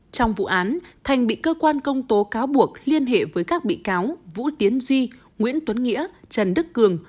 trong vụ án thành bị cơ quan công tố cáo buộc liên hệ với các bị cáo vũ tiến duy nguyễn tuấn nghĩa trần đức cường